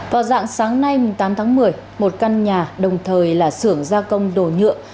vào dạng sáng nay tám tháng một mươi một căn nhà đồng thời là xưởng gia công đồ nhựa